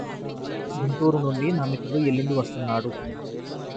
గుంటూరు నుండి నా మిత్రుడు ఎల్లుండి వస్తున్నాడు.